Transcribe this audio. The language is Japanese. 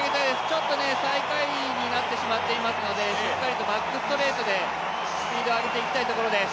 ちょっと最下位になってしまっているので、しっかりとバックストレートでスピードを上げていきたいところです。